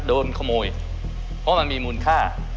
โดนขโมยเพราะมันมีมูลค่า